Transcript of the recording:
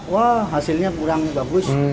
wah hasilnya kurang bagus